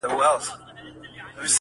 قرباني بې وسه پاتې کيږي تل،